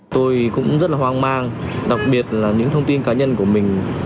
tôi cũng rất là hoang mang đặc biệt là những thông tin cá nhân của mình